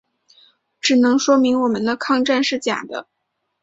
只能说明我们的抗战是假的。